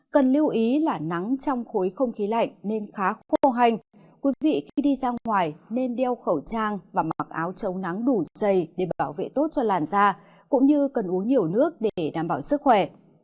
cần lưu ý là nắng trong khối không khí lạnh nên khá khô hành quý vị khi đi ra ngoài nên đeo khẩu trang và mặc áo chống nắng đủ dày để bảo vệ tốt cho làn da cũng như cần uống nhiều nước để đảm bảo sức khỏe